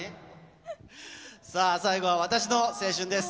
さあ最後は私の青春です。